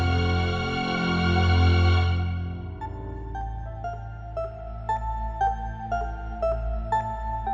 akhirnyahein pakai anaknya